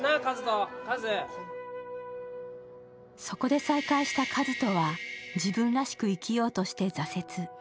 そこで再会した和人は自分らしく生きようとして挫折。